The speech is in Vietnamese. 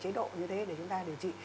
chế đội như thế để chúng ta điều trị